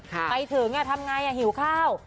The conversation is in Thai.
ไปถึงทำไงหิวข้าว